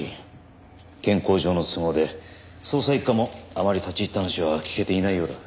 健康上の都合で捜査一課もあまり立ち入った話は聞けていないようだ。